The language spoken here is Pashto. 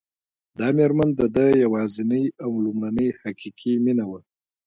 دا مېرمن د ده یوازېنۍ او لومړنۍ حقیقي مینه وه